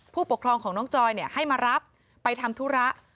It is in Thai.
ผู้ปกครองของน้องจอยให้มารับไปทำธุระ